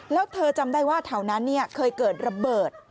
แล้วเธอจำได้ว่าแถวนั้นเคยเกิดระเบิด